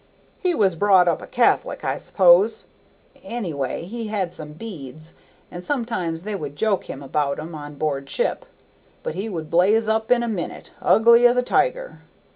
He was brought up a Catholic, I s'pose; anyway, he had some beads, and sometimes they would joke him about 'em on board ship, but he would blaze up in a minute, ugly as a tiger.